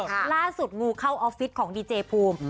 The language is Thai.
ล่าสุดงูเข้าออฟฟิศของดีเจภูมิ